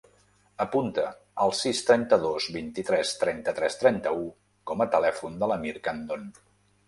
Apunta el sis, trenta-dos, vint-i-tres, trenta-tres, trenta-u com a telèfon de l'Amir Candon.